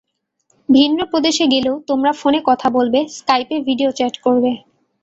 ভিন্ন প্রদেশে গেলেও তোমরা ফোনে কথা বলবে, স্কাইপে ভিডিও চ্যাট করবে।